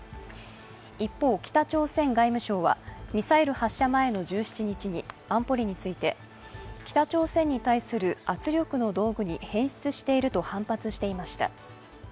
一方、北朝鮮外務省はミサイル発射前の１７日に安保理について、北朝鮮に対する圧力の道具に変質していると反発していました。